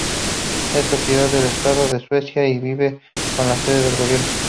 Es propiedad del Estado de Suecia y sirve como la sede del Gobierno.